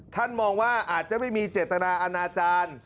มองว่าอาจจะไม่มีเจตนาอนาจารย์